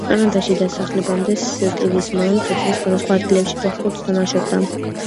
კანადაში დასახლებამდე, სტივის მამა მსოფლიოს სხვადასხვა ადგილებში ფეხბურთს თამაშობდა.